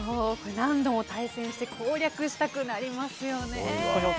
何度も対戦して攻略したくなりますよね。